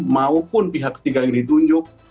maupun pihak ketiga yang ditunjuk